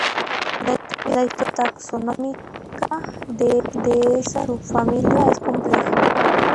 La historia taxonómica de esta subfamilia es compleja.